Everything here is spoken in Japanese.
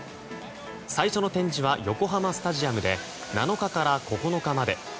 最初の展示は横浜スタジアムで７日から９日まで。